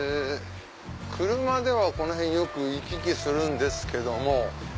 車ではこの辺よく行き来するんですけども。